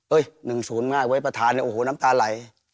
เอ้ย๑๐ง่ายเว้ยประธานเอ้ยโอ้โห้น้ำตาลไหล